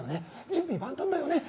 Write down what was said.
準備万端だよね？